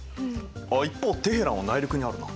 一方テヘランは内陸にあるな。